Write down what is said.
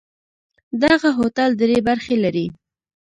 دغه هوټل درې برخې لري.